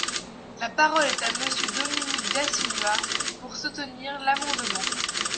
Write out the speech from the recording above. La parole est à Monsieur Dominique Da Silva, pour soutenir l’amendement.